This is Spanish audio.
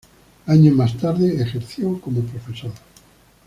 Años más tarde ejerció como profesor.